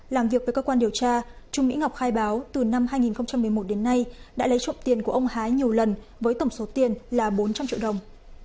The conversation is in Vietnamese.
làm việc với cơ quan điều tra trung mỹ ngọc khai báo từ năm hai nghìn một mươi một đến nay đã lấy trộm tiền của ông hái nhiều lần với tổng số tiền là bốn trăm linh triệu đồng